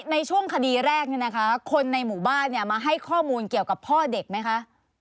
ในช่วงคดีแรกเนี่ยนะคะคนในหมู่บ้านมาให้ข้อมูลเกี่ยวกับพ่อเด็กไหมคะ